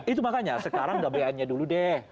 itu makanya sekarang kemungkinannya dulu deh